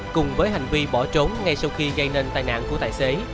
cùng với hành vi bỏ trốn ngay sau khi gây nên tai nạn của tài xế